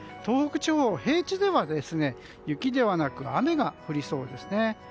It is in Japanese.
東北地方、平地では雪ではなく雨が降りそうですね。